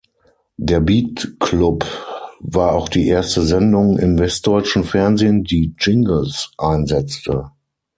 Der Beat-Club war auch die erste Sendung im westdeutschen Fernsehen, die Jingles einsetzte.